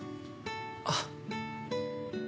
あっ。